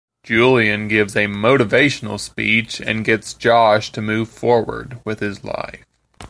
Julian gives a motivational speech and gets Josh to move forward with his life.